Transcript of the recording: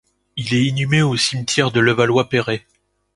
Il est inhumé au cimetière de Levallois-Perret.